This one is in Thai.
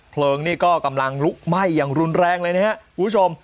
เพลิงนี่ก็กำลังลุกไหม้อย่างรุนแรงเลยนะครับคุณผู้ชม